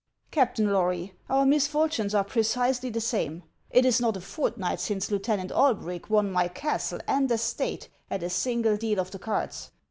" Captain Lory, our misfortunes are precisely the same. It is not a fortnight since Lieutenant Alberick won my castle and estate at a single deal of the cards.